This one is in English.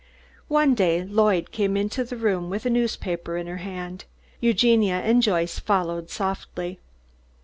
One day Lloyd came into the room with a newspaper in her hand. Eugenia and Joyce followed softly.